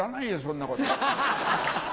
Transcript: そんなこと。